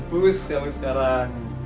bu selama sekarang